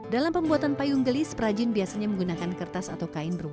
dalam pembuatan payung gelis perajin biasanya menggunakan kertas atau kain